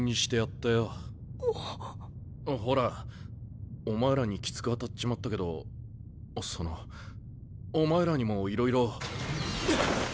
ほらお前らにキツく当たっちまったけどそのお前らにもいろいろ。